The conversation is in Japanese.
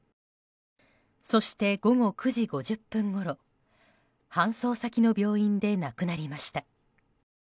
そして、午後９時５０分ごろ搬送先の病院で亡くなりました。